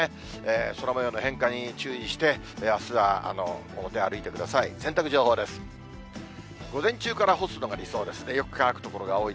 空もようの変化に注意して、あすは出歩いてください。